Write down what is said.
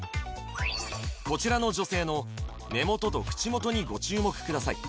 こちらの女性の目元と口元にご注目ください